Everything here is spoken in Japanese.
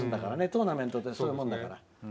トーナメントってそういうものだから。